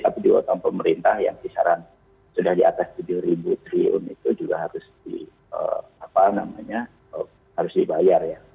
tapi di utang pemerintah yang kisaran sudah di atas tujuh triliun itu juga harus dibayar ya